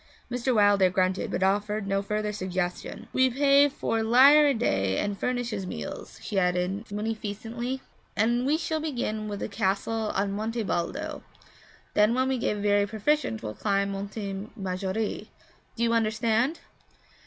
Mr. Wilder grunted, but offered no further suggestion. 'We pay four lire a day and furnish his meals,' she added munificently. 'And we shall begin with the castle on Monte Baldo; then when we get very proficient we'll climb Monte Maggiore. Do you understand?'